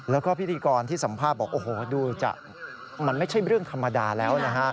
แล้วก็พิธีกรที่สัมภาพบอกโอ้โหมันไม่ใช่เรื่องธรรมดาแล้ว